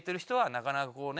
なかなかこうね。